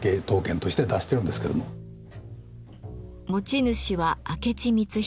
持ち主は明智光秀。